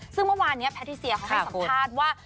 ซึ่งเมื่อวานนี้แพทิเซียเขาให้สัมภาษณ์ว่า